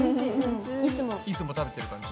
いつも食べてる感じ？